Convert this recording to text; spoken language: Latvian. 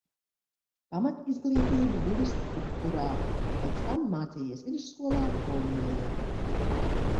Pamatizglītību guvis Kukurā, pēc tam mācījies vidusskolā Bombejā.